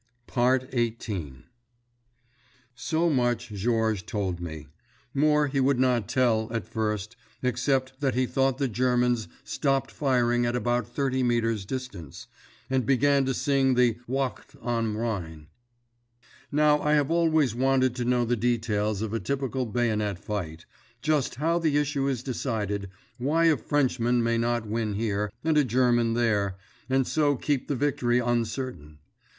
XVIII So much Georges told me; more he would not tell, at first, except that he thought the Germans stopped firing at about thirty meters distance, and began to sing the "Wacht am Rhein." Now I have always wanted to know the details of a typical bayonet fight—just how the issue is decided, why a Frenchman might not win here, and a German there, and so keep the victory uncertain.